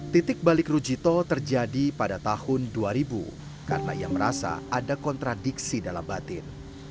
titik balik rujito terjadi pada tahun dua ribu karena ia merasa ada kontradiksi dalam batin